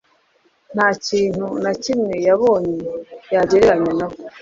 Nta kintu na kimwe yabonye yagereranya na bwo.